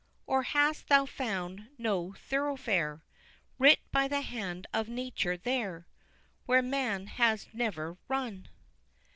Or hast thou found No Thoroughfare Writ by the hand of Nature there Where man has never run!